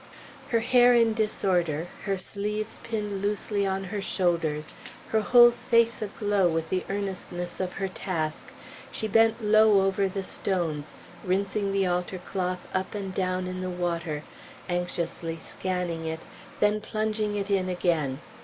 Her hair in disorder, her sleeves pinned loosely on her shoulders, her whole face aglow with the earnestness of her task, she bent low over the stones, rinsing the altar cloth up and down in the water, anxiously scanning it, then plunging it in again.